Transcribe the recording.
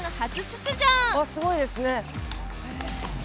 すごいですね。